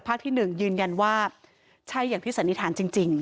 ที่๑ยืนยันว่าใช่อย่างที่สันนิษฐานจริง